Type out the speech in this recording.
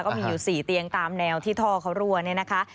ก็มีอยู่๔เตียงตามแนวที่ท่อเขารั่วเนี่ยนะคะ